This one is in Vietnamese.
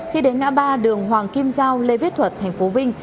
khi đến ngã ba đường hoàng kim giao lê viết thuật tp vinh